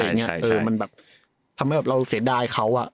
ทำให้แบบเราเสียดายเขาอ่ะ